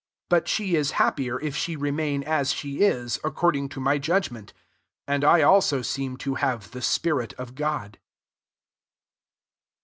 40 But she is hap pier if she remain as she is, according to my judgment: and I also seem to have the spirit of God.